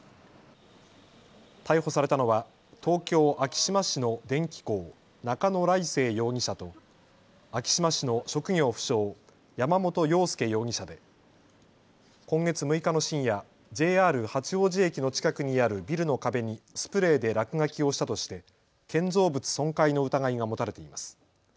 逮捕されたのは東京昭島市の電気工、中野礼誠容疑者と昭島市の職業不詳、山本陽介容疑者で今月６日の深夜、ＪＲ八王子駅の近くにあるビルの壁にスプレーで落書きをしたとして建造物損壊の疑いが持たれています。